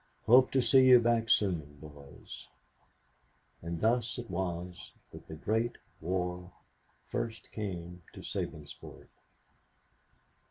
Hope to see you back soon, boys." And thus it was that the Great War first came to Sabinsport.